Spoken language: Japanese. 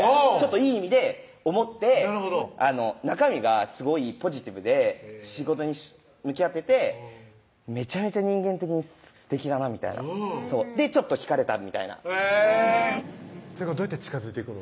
いい意味で思ってなるほど中身がすごいポジティブで仕事に向き合っててめちゃめちゃ人間的にすてきだなみたいなでちょっと惹かれたみたいなへぇどうやって近づいていくの？